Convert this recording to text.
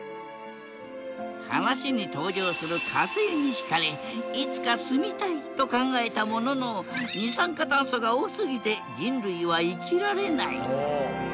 話に登場する火星に引かれいつか住みたいと考えたものの二酸化炭素が多すぎて人類は生きられない。